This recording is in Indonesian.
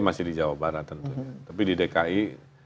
masih di jawa barat tentunya tapi di dki